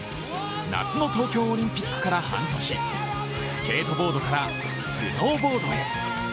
夏の東京オリンピックから半年、スケートボードからスノーボードへ。